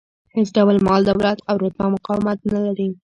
هېڅ ډول مال، دولت او رتبه مقاومت نه لري.